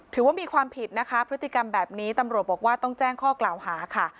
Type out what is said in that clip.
ถือว่ามีความผิดนะคะพฤติกรรมแบบนี้ตำรวจบอกว่าต้องแจ้งข้อกล่าวหาค่ะ